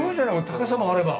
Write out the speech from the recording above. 高さもあれば。